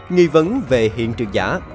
nghĩ vấn về hiện trường giả